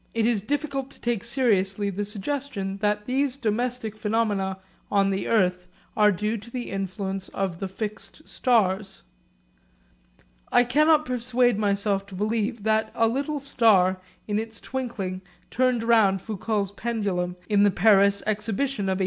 It is difficult to take seriously the suggestion that these domestic phenomena on the earth are due to the influence of the fixed stars. I cannot persuade myself to believe that a little star in its twinkling turned round Foucault's pendulum in the Paris Exhibition of 1861.